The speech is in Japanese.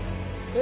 え